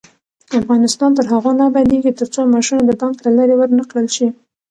افغانستان تر هغو نه ابادیږي، ترڅو معاشونه د بانک له لارې ورنکړل شي.